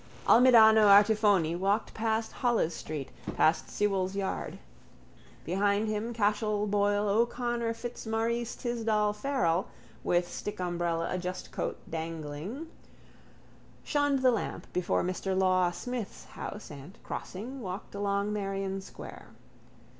Almidano Artifoni walked past Holles street, past Sewell's yard. Behind him Cashel Boyle O'Connor Fitzmaurice Tisdall Farrell, with stickumbrelladustcoat dangling, shunned the lamp before Mr Law Smith's house and, crossing, walked along Merrion square.